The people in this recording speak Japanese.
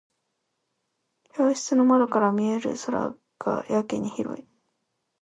教室の窓から見える空がやけに広い。